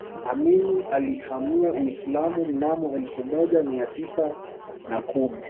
amini alihamia Uislamu mnamo elfu moja mia tisa na kumi